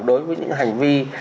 đối với những hành vi